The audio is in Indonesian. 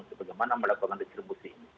untuk bagaimana melakukan distribusi ini